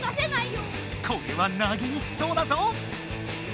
これは投げにくそうだぞ！